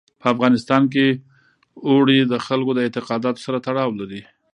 په افغانستان کې اوړي د خلکو د اعتقاداتو سره تړاو لري.